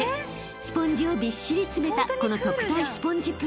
［スポンジをびっしり詰めたこの特大スポンジプール］